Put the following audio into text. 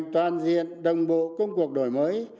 toàn diện đồng bộ công cuộc đổi mới